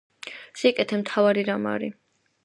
სიკეთე მთავარი რამ არი